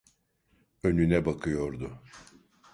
Önüne bakıyordu.